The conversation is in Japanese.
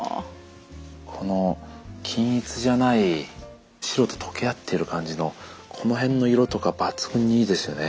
この均一じゃない白と溶け合ってる感じのこの辺の色とか抜群にいいですよね。